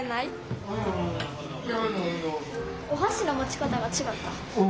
お箸の持ち方が違う。